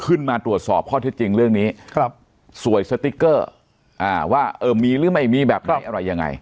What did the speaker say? ขึ้นมาตรวจสอบข้อเท็จจริงเรื่องนี้ครับสวยสติ๊กเกอร์อ่าว่าเออมีหรือไม่มีแบบไหนอะไรยังไง